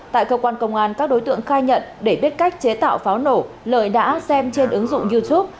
tại cơ quan công an các đối tượng khai nhận để biết cách chế tạo pháo nổ lợi đã xem trên ứng dụng youtube